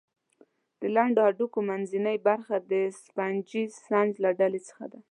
د لنډو هډوکو منځنۍ برخه د سفنجي نسج له ډلې څخه ده.